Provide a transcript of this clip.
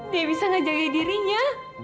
dia bisa ngejaga dirinya